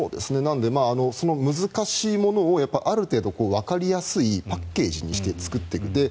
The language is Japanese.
なので、その難しいものをある程度わかりやすいパッケージにして作っていく。